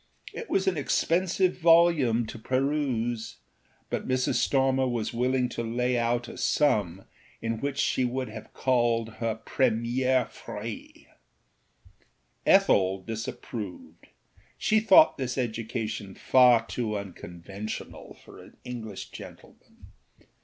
It was an expensive volume to peruse, but Mrs. Stormer was willing to lay out a sum in what she would have called her premiers frais. Ethel disapprovedâshe thought this education far too unconventional for an English gentleman.